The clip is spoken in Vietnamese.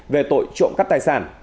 về tội trộm cắt tài sản